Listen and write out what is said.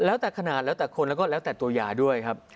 แล้วแต่ขนาดแล้วแต่คนแล้วก็แล้วแต่ตัวยาด้วยครับ